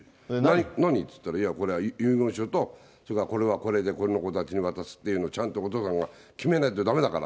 何？って言ったら、いや、これは遺言書と、それからこれはこれで、この子たちに渡すっていうのを、ちゃんとお父さん決めないとだめだから。